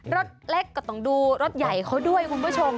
รถเล็กก็ต้องดูรถใหญ่เขาด้วยคุณผู้ชม